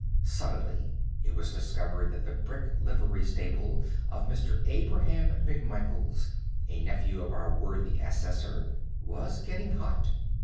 Suddenly it was discovered that the brick livery stable of Mr. Abraham McMichaels, a nephew of our worthy assessor, was getting hot.